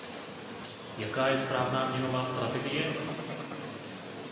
Jaká je správná měnová strategie?